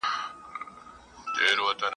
بلبل نه وو یوه نوې تماشه وه !.